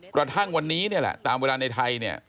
กระทั่งวันนี้เนี่ยแหละตามเวลาในไทยเนี่ย